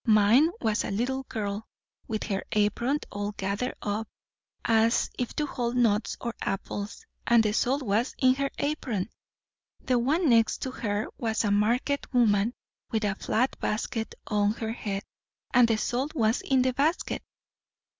Mine was a little girl, with her apron all gathered up, as if to hold nuts or apples, and the salt was in her apron. The one next to her was a market woman with a flat basket on her head, and the salt was in the basket.